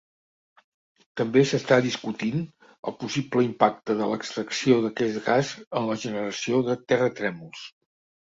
També s'està discutint el possible impacte de l'extracció d'aquest gas en la generació de terratrèmols.